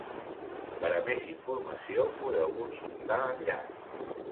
Per a més informació podeu consultar l'enllaç.